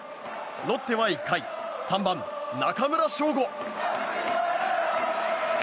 ロッテは１回、３番、中村奨吾。